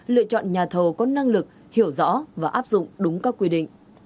lựa chọn nhà thầu có năng lực hiểu rõ và áp dụng đúng các quy định